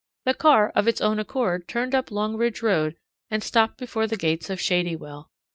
The car of its own accord turned up Long Ridge Road, and stopped before the gates of Shadywell.